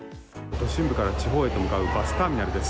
都心部から地方へと向かうバスターミナルです。